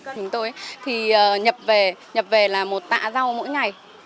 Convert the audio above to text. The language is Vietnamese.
chúng tôi thì nhập về nhập về là một tạ rau mỗi ngày